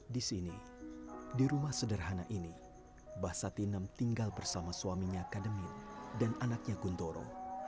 di sini di rumah sederhana ini mbah satinem tinggal bersama suaminya kademin dan anaknya guntoro